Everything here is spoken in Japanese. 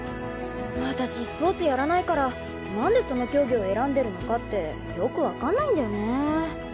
私スポーツやらないから何でその競技を選んでるのかってよく分かんないんだよね。